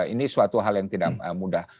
ini suatu hal yang tidak mudah